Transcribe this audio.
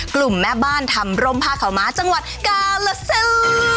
กลุ่มแม่บ้านทำรมผ้าข่าวม้าจังหวัดกาลาเซล